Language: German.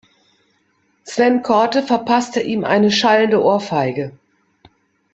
Sven Korte verpasste ihm eine schallende Ohrfeige.